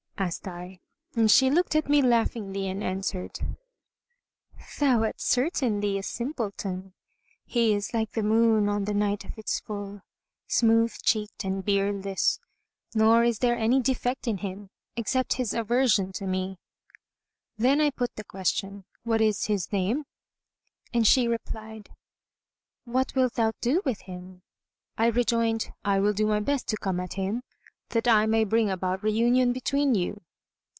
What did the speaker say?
asked I; and she looked at me laughingly and answered, "Thou art certainly a simpleton! He is like the moon on the night of its full, smooth cheeked and beardless, nor is there any defect in him except his aversion to me." Then I put the question, "What is his name?" and she replied, "What wilt thou do with him?" I rejoined, "I will do my best to come at him, that I may bring about reunion between you."